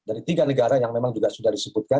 dari tiga negara yang memang juga sudah disebutkan